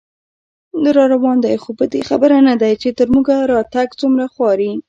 راروان دی خو په دې خبر نه دی، چې تر موږه راتګ څومره خواري